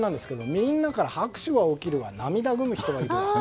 みんなから拍手が起きるわ涙ぐむ人はいるわ。